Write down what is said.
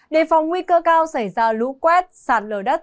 đề phòng nguy cơ cao xảy ra lũ quét sạt lở đất